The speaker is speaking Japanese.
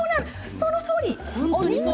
そのとおり！